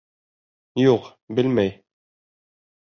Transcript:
Юҡ, белмәй.